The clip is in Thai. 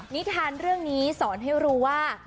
นิทานเรื่องนี้สอนให้รู้ว่า